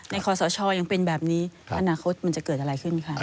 คอสชยังเป็นแบบนี้อนาคตมันจะเกิดอะไรขึ้นคะ